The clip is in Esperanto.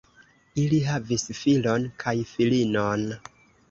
Ili havis filon kaj filinon.